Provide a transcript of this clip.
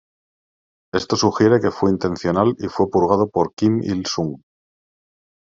Esto sugiere que fue intencional y fue purgado por Kim Il-sung.